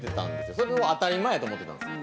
それを当たり前やと思ってたんです。